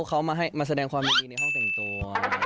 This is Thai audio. เขามาแสดงความยินดีในห้องแต่งตัว